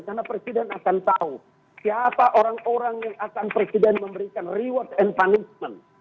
karena presiden akan tahu siapa orang orang yang akan presiden memberikan reward and punishment